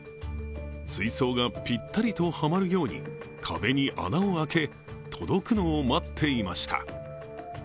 水槽がぴったりとはまるように壁に穴を開け、届くのを待っていました。